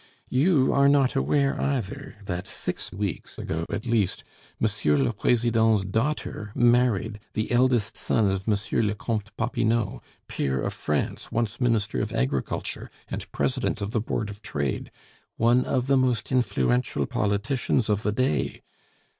You are not aware either that, six weeks ago at least, M. le President's daughter married the eldest son of M. le Comte Popinot, peer of France, once Minister of Agriculture, and President of the Board of Trade, one of the most influential politicians of the day.